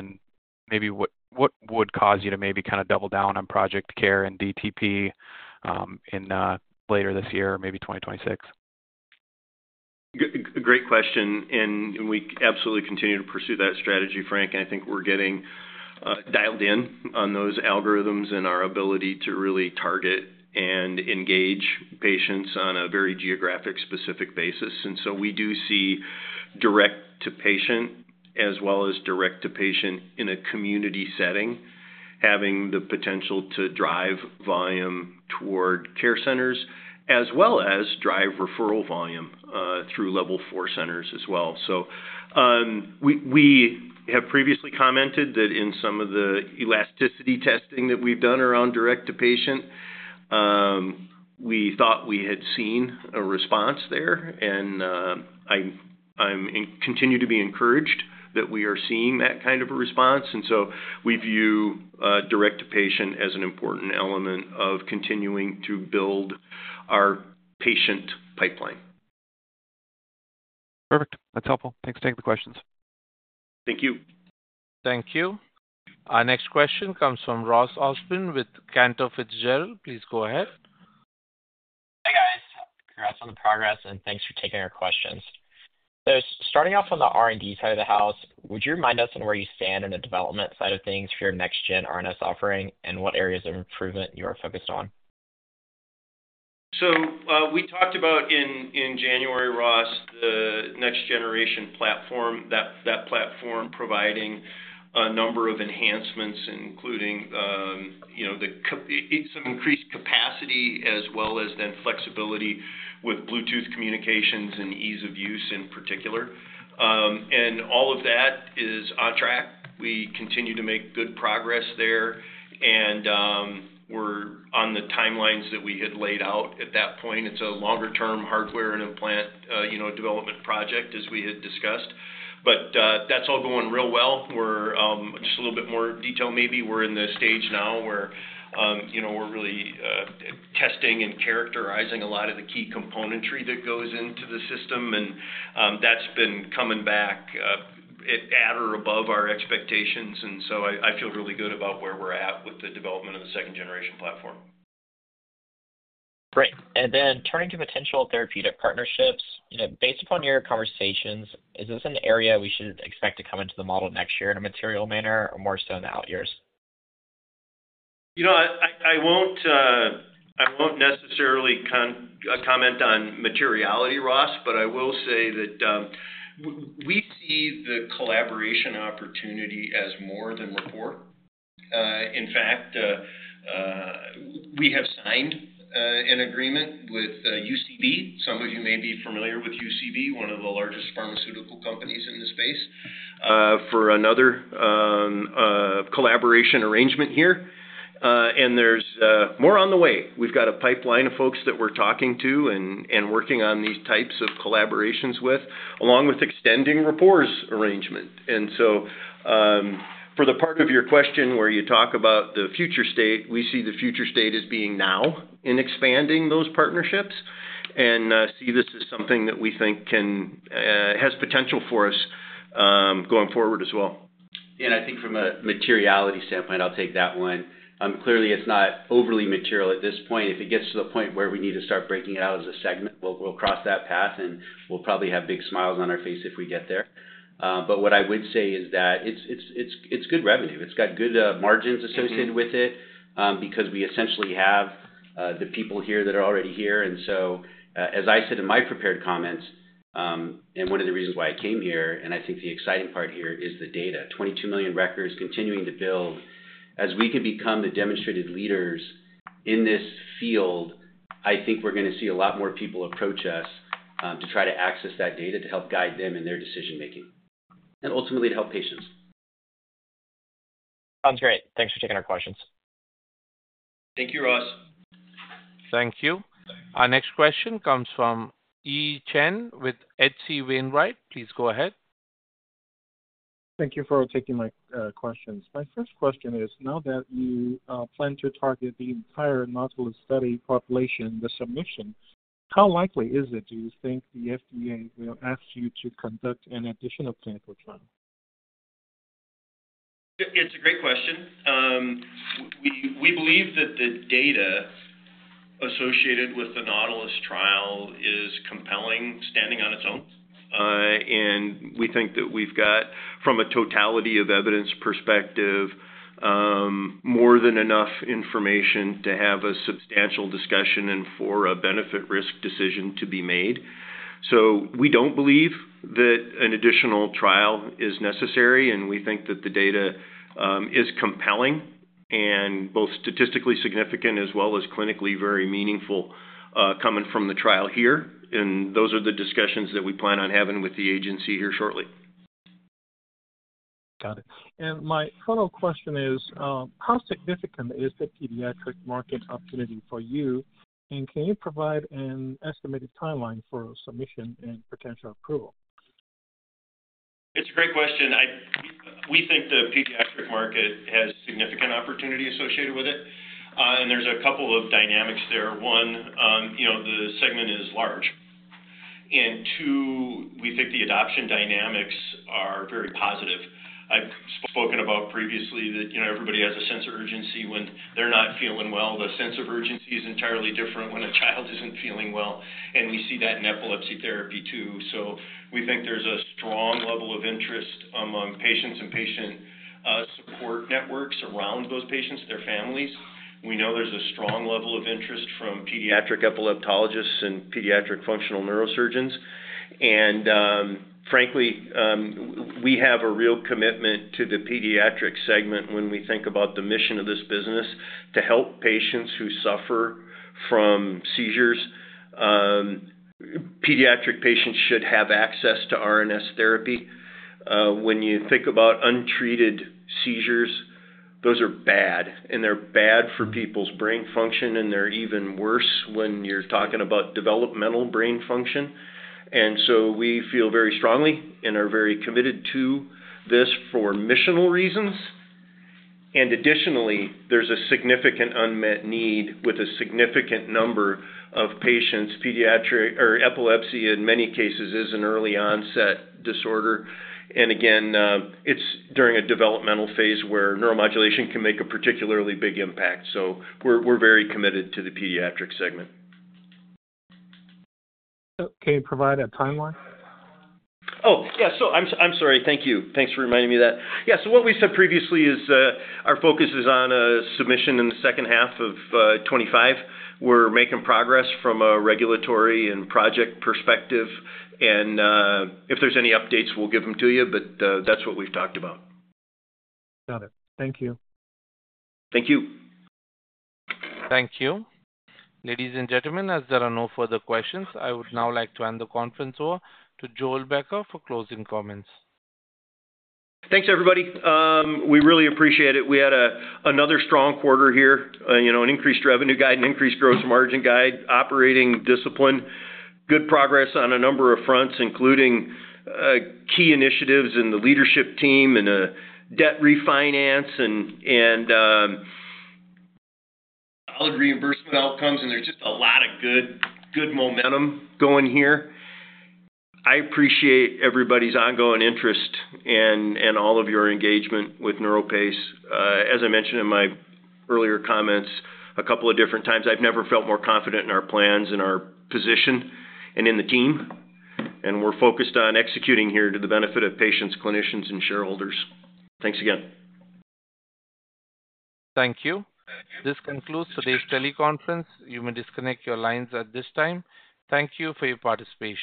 What would cause you to maybe kind of double down on Project CARE and DTP later this year, maybe 2026? Great question. We absolutely continue to pursue that strategy, Frank. I think we're getting dialed in on those algorithms and our ability to really target and engage patients on a very geographic-specific basis. We do see direct-to-patient as well as direct-to-patient in a community setting having the potential to drive volume toward care centers as well as drive referral volume through level four centers as well. We have previously commented that in some of the elasticity testing that we've done around direct-to-patient, we thought we had seen a response there, and I continue to be encouraged that we are seeing that kind of a response. We view direct-to-patient as an important element of continuing to build our patient pipeline. Perfect. That's helpful. Thanks for taking the questions. Thank you. Thank you. Our next question comes from Ross Osborn with Cantor Fitzgerald. Please go ahead. Congrats on the progress, and thanks for taking our questions. Starting off on the R&D side of the house, would you remind us on where you stand in the development side of things for your next-gen RNS offering and what areas of improvement you are focused on? In January, Ross, we talked about the next-generation platform, that platform providing a number of enhancements, including some increased capacity as well as flexibility with Bluetooth communications and ease of use in particular. All of that is on track. We continue to make good progress there, and we're on the timelines that we had laid out at that point. It's a longer-term hardware and implant development project, as we had discussed. That's all going real well. To be a little bit more detailed, we're in the stage now where we're really testing and characterizing a lot of the key componentry that goes into the system, and that's been coming back at or above our expectations. I feel really good about where we're at with the development of the second-generation platform. Great. Turning to potential therapeutic partnerships, based upon your conversations, is this an area we should expect to come into the model next year in a material manner or more so in the out years? I won't necessarily comment on materiality, Ross, but I will say that we see the collaboration opportunity as more than before. In fact, we have signed an agreement with UCB. Some of you may be familiar with UCB, one of the largest pharmaceutical companies in the space, for another collaboration arrangement here. There's more on the way. We've got a pipeline of folks that we're talking to and working on these types of collaborations with, along with extending Rapport's arrangements. For the part of your question where you talk about the future state, we see the future state as being now in expanding those partnerships and see this as something that we think has potential for us going forward as well. Yeah, and I think from a materiality standpoint, I'll take that one. Clearly, it's not overly material at this point. If it gets to the point where we need to start breaking it out as a segment, we'll cross that path, and we'll probably have big smiles on our face if we get there. What I would say is that it's good revenue. It's got good margins associated with it because we essentially have the people here that are already here. As I said in my prepared comments, and one of the reasons why I came here, I think the exciting part here is the data. 22 million records continuing to build. As we could become the demonstrated leaders in this field, I think we're going to see a lot more people approach us to try to access that data to help guide them in their decision-making and ultimately to help patients. Sounds great. Thanks for taking our questions. Thank you, Ross. Thank you. Our next question comes from Yi Chen with H.C. Wainwright. Please go ahead. Thank you for taking my questions. My first question is, now that you plan to target the entire NAUTILUS study population with submission, how likely is it, do you think, the FDA will ask you to conduct an additional clinical trial? It's a great question. We believe that the data associated with the NAUTILUS trial is compelling standing on its own. We think that we've got, from a totality of evidence perspective, more than enough information to have a substantial discussion and for a benefit-risk decision to be made. We don't believe that an additional trial is necessary, and we think that the data is compelling and both statistically significant as well as clinically very meaningful coming from the trial here. Those are the discussions that we plan on having with the agency here shortly. Got it. My final question is, how significant is the pediatric market opportunity for you, and can you provide an estimated timeline for submission and potential approval? It's a great question. We think the pediatric market has significant opportunity associated with it, and there's a couple of dynamics there. One, you know, the segment is large. Two, we think the adoption dynamics are very positive. I've spoken about previously that, you know, everybody has a sense of urgency when they're not feeling well. The sense of urgency is entirely different when a child isn't feeling well. We see that in epilepsy therapy too. We think there's a strong level of interest among patients and patient support networks around those patients, their families. We know there's a strong level of interest from pediatric epileptologists and pediatric functional neurosurgeons. Frankly, we have a real commitment to the pediatric segment when we think about the mission of this business to help patients who suffer from seizures. Pediatric patients should have access to RNS therapy. When you think about untreated seizures, those are bad, and they're bad for people's brain function, and they're even worse when you're talking about developmental brain function. We feel very strongly and are very committed to this for missional reasons. Additionally, there's a significant unmet need with a significant number of patients. Epilepsy, in many cases, is an early-onset disorder. Again, it's during a developmental phase where neuromodulation can make a particularly big impact. We're very committed to the pediatric segment. Can you provide a timeline? Thank you. Thanks for reminding me of that. What we said previously is our focus is on submission in the second half of 2025. We're making progress from a regulatory and project perspective, and if there's any updates, we'll give them to you, but that's what we've talked about. Got it. Thank you. Thank you. Thank you. Ladies and gentlemen, as there are no further questions, I would now like to hand the conference over to Joel Becker for closing comments. Thanks, everybody. We really appreciate it. We had another strong quarter here, an increased revenue guide, an increased gross margin guide, operating discipline, good progress on a number of fronts, including key initiatives in the leadership team, a debt refinance, and all the reimbursement outcomes. There is just a lot of good momentum going here. I appreciate everybody's ongoing interest and all of your engagement with NeuroPace. As I mentioned in my earlier comments a couple of different times, I've never felt more confident in our plans and our position and in the team. We're focused on executing here to the benefit of patients, clinicians, and shareholders. Thanks again. Thank you. This concludes today's teleconference. You may disconnect your lines at this time. Thank you for your participation.